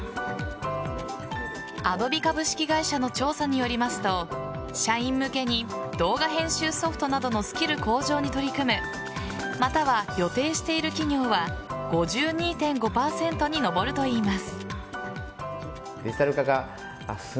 アドビ株式会社の調査によりますと社員向けに動画編集ソフトなどのスキル向上に取り組むまたは予定している企業は５２．５％に上るといいます。